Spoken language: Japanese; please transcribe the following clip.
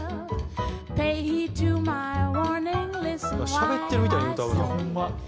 「しゃべってるみたいに歌うなあ」